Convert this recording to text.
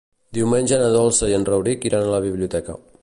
Diumenge na Dolça i en Rauric iran a la biblioteca.